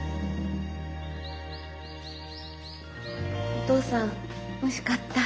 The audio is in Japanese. お父さんおいしかった。